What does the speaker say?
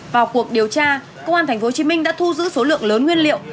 vào cuộc điều tra công an thành phố hồ chí minh đã thu giữ số lượng lớn nguyên liệu